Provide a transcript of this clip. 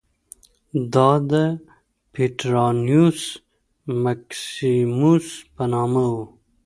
دا د پټرانیوس مکسیموس په نامه و